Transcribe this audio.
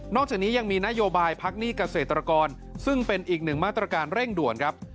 จากนี้ยังมีนโยบายพักหนี้เกษตรกรซึ่งเป็นอีกหนึ่งมาตรการเร่งด่วนครับ